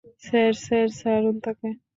Sir, sir, ছাড়ুন তাকে।